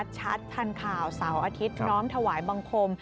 ชัดทันข่าวเสาร์อาทิตย์น้อมถวายบังคม